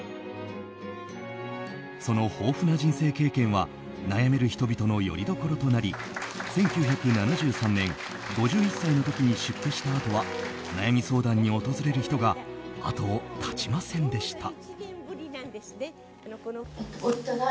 その豊富な人生経験は悩める人々のよりどころとなり１９７３年５１歳の時に出家したあとは悩み相談に訪れる人が後を絶ちませんでした。